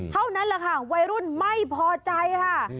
เท่านั้นแหละค่ะวัยรุ่นไม่พอใจค่ะ